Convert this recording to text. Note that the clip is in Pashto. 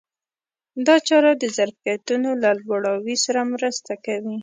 دا چاره د ظرفیتونو له لوړاوي سره مرسته کوي.